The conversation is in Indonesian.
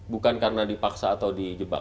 bukan karena dipaksa atau di jebak